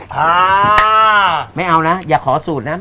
แต่ก้วยผมไม่ได้ปรุงอะไร